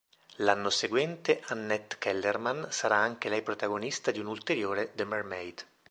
L'anno seguente, Annette Kellerman sarà anche lei protagonista di un ulteriore "The Mermaid".